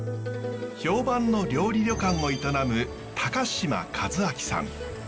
評判の料理旅館を営む高島一彰さん。